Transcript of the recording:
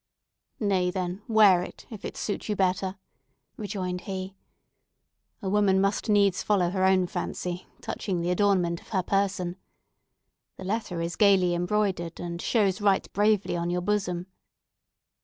"Nay, then, wear it, if it suit you better," rejoined he, "A woman must needs follow her own fancy touching the adornment of her person. The letter is gaily embroidered, and shows right bravely on your bosom!"